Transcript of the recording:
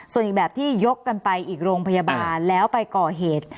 ส่วนอีกแบบที่ยกกันไปอีกโรงพยาบาลแล้วไปก่อเหตุ